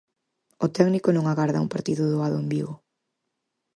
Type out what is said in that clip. O técnico non agarda un partido doado en Vigo.